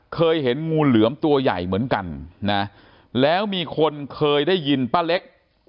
เคยเห็นงูเหลือมตัวใหญ่เหมือนกันนะแล้วมีคนเคยได้ยินป้าเล็ก